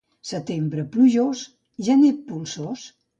Setembre plujós, gener polsós.